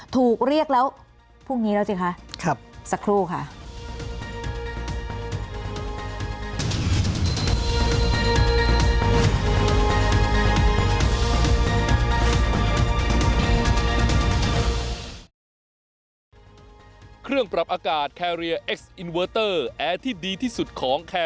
ถูกเรียกแล้วพรุ่งนี้แล้วสิคะสักครู่ค่ะ